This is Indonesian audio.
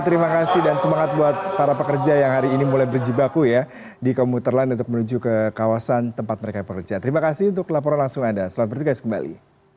terima kasih dan semangat buat para pekerja yang hari ini mulai berjibaku ya di komuter lain untuk menuju ke kawasan tempat mereka bekerja terima kasih untuk laporan langsung anda selamat bertugas kembali